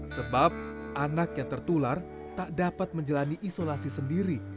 sebab anak yang tertular tak dapat menjalani isolasi sendiri